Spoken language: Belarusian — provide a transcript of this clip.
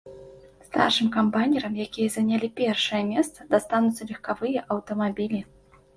Старшым камбайнерам, якія занялі першае месца, дастануцца легкавыя аўтамабілі.